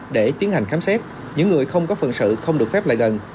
để tiến hành khám xét những người không có phần sự không được phép lại gần